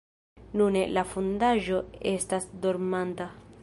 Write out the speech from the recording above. Nune, la fondaĵo estas dormanta.